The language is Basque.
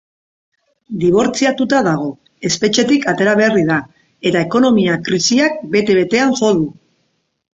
Dibortziatuta dago, espetxetik atera berri da eta ekonomia krisiak bete-betean jo du.